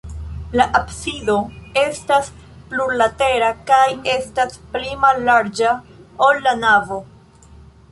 La absido estas plurlatera kaj estas pli mallarĝa, ol la navo.